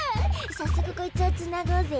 さっそくこいつをつなごうぜ。